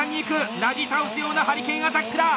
なぎ倒すようなハリケーンアタックだ！